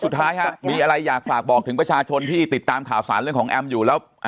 สุดท้ายฮะมีอะไรอยากฝากบอกถึงประชาชนที่ติดตามข่าวสารเรื่องของแอมอยู่แล้ว